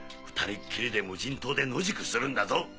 ２人きりで無人島で野宿するんだぞ。